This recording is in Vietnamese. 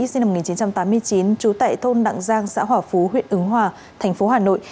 sinh năm một nghìn chín trăm tám mươi chín trú tại thôn đặng giang xã hòa phú huyện ứng hòa thành phố hà nội